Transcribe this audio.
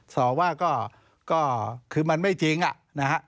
สอบว่าก็คือมันไม่จริงนะฮะ